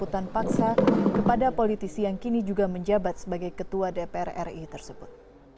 tuntutan paksa kepada politisi yang kini juga menjabat sebagai ketua dpr ri tersebut